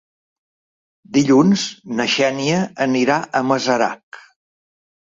Dilluns na Xènia anirà a Masarac.